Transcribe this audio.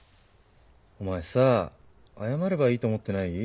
お前さ謝ればいいと思ってない？